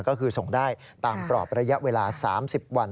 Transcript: ก็คือส่งได้ตามกรอบระยะเวลา๓๐วัน